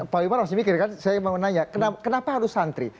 pak wimar harus mikir kan saya mau nanya kenapa harus santri